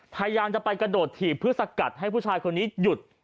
พยายามจะไปกระโดดถีบเพื่อสกัดให้ผู้ชายคนนี้หยุด